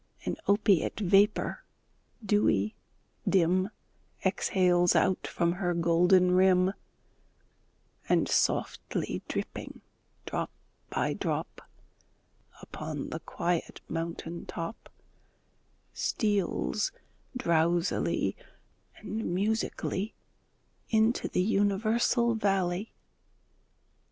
An opiate vapor, dewy, dim, Exhales from out her golden rim, And, softly dripping, drop by drop, Upon the quiet mountain top, Steals drowsily and musically Into the universal valley.